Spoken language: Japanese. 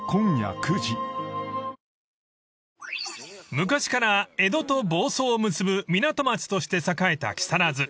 ［昔から江戸と房総を結ぶ港町として栄えた木更津］